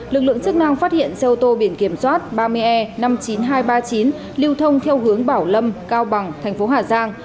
lực lượng chức năng phát hiện xe ô tô biển kiểm soát ba mươi e năm mươi chín nghìn hai trăm ba mươi chín lưu thông theo hướng bảo lâm cao bằng thành phố hà giang